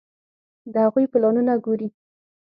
د هغوی پلانونه ګوري.